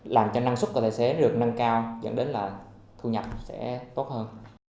làm cho năng suất của tài xế được nâng cao dẫn đến là thu nhập sẽ tốt hơn